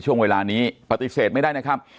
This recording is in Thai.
ช่วงเวลานี้ปฏิเสธไม่ได้นะครับ